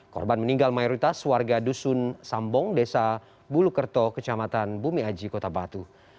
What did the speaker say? korban meninggal mayoritas warga dusun sambong desa bulukerto kecamatan bumi aji kota batu